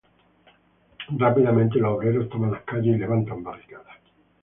Rápidamente los obreros toman las calles y levantan barricadas.